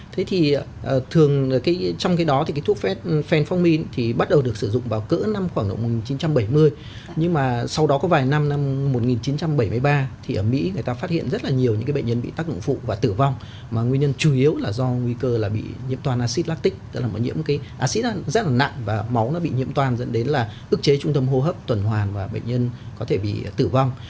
thế thì thường trong cái đó thì cái thuốc phenformin thì bắt đầu được sử dụng vào cỡ năm khoảng độ một nghìn chín trăm bảy mươi nhưng mà sau đó có vài năm năm một nghìn chín trăm bảy mươi ba thì ở mỹ người ta phát hiện rất là nhiều những cái bệnh nhân bị tác dụng phụ và tử vong mà nguyên nhân chủ yếu là do nguy cơ là bị nhiễm toàn acid lactic tức là một nhiễm acid rất là nặng và máu nó bị nhiễm toàn dẫn đến là ức chế trung tâm hô hấp tuần hoàn và bệnh nhân có thể bị tử vong